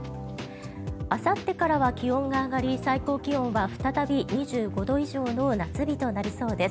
あさってからは気温が上がり最高気温は再び２５度以上の夏日となりそうです。